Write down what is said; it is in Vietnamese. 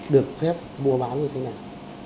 được phép mua bán như thế nào